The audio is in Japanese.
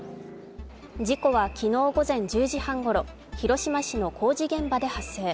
事故は昨日午前１０時半ごろ、広島市の工事現場で発生。